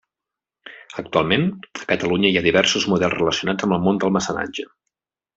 Actualment, a Catalunya hi han diversos models relacionats amb el món del mecenatge.